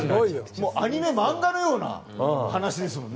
アニメ、漫画のような話ですもんね。